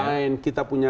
gak penaruh maksudnya